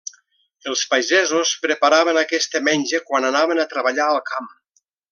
Els pagesos preparaven aquesta menja quan anaven a treballar al camp.